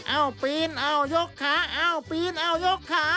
เอ้าปีนเอ้ายกขาเอ้าปีนเอ้ายกขา